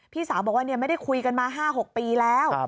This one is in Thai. พี่สาวบอกว่าไม่ได้คุยกันมา๕๖ปีแล้ว